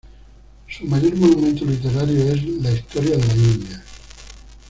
Su mayor monumento literario es la "Historia de la India".